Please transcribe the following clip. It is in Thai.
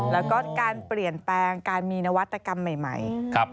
แล้วก็การเปลี่ยนแปลงการมีนวัตกรรมใหม่